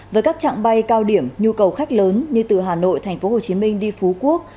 với các trạng bay cao điểm nhu cầu khách lớn như từ hà nội tp hcm đi phú quốc